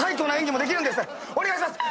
お願いします。